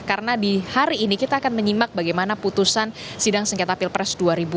karena di hari ini kita akan menyimak bagaimana putusan sidang senketa pilpres dua ribu dua puluh empat